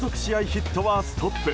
ヒットはストップ。